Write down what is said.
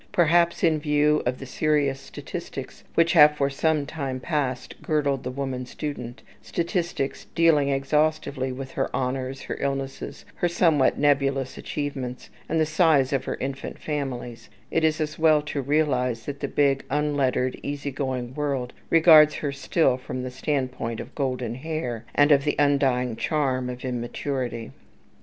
Perhaps in view of the serious statistics which have for some time past girdled the woman student, statistics dealing exhaustively with her honours, her illnesses, her somewhat nebulous achievements, and the size of her infant families, it is as well to realize that the big, unlettered, easy going world regards her still from the standpoint of golden hair, and of the undying charm of immaturity.